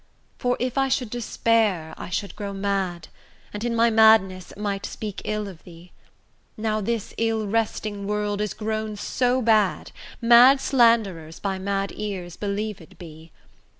For, if I should despair, I should grow mad, And in my madness might speak ill of thee; Now this ill wresting world is grown so bad, Mad slanderers by mad ears believed be.